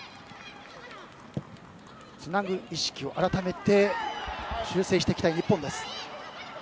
つなぐ意識を改めて修正したい日本です。